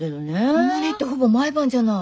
たまにってほぼ毎晩じゃない。